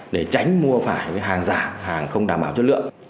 để tránh mua phải hàng giả hàng không đảm bảo chất lượng